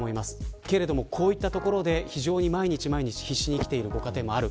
しかし、こういったところで毎日必死に生きているご家庭もある。